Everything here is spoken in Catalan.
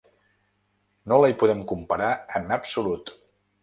No la hi podem comparar en absolut.